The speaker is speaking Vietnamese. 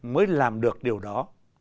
mới làm được điều đó